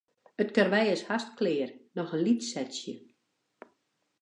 It karwei is hast klear, noch in lyts setsje.